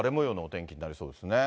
天気になりそうですね。